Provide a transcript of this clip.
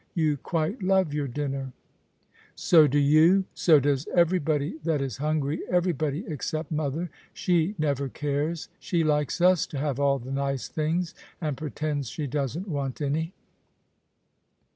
You quite love your dinner." " So do you ! So does everybody that is hungry ; everybody except mother. She never cares. She likes us to have all the nice things, and pretends she doesn't want any."